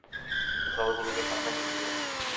দলগুলোকে সামনে যেতে দিন।